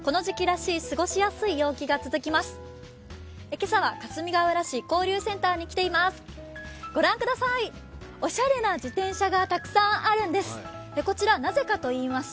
今朝は、かすみがうら市交流センターに来ています。